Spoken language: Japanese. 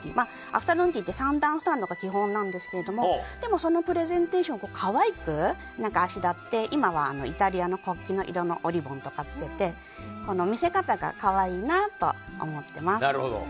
アフタヌーンティーって３段スタンドが基本なんですがでも、そのプレゼンテーションを可愛くあしらって今はイタリアの国旗の色のおリボンとかつけて見せ方が可愛いなと思ってます。